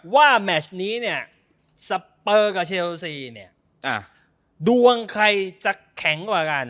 ว่าแมทช์นี้เนี่ยสะปุ้ลกับเชลซีอ่าดวงใครจะแข็งกว่ากัน